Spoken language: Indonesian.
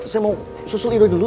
saya mau susul ido dulu